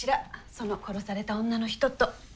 その殺された女の人と。